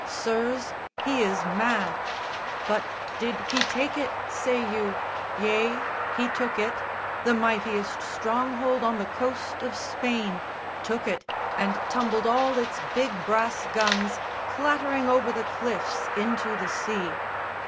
Sirs, he is mad! But did he take it, say you? Yea, he took it, The mightiest stronghold on the coast of Spain, Took it and tumbled all its big brass guns Clattering over the cliffs into the sea.